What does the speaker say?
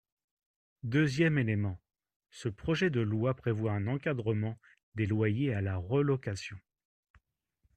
Deuxième élément, ce projet de loi prévoit un encadrement des loyers à la relocation.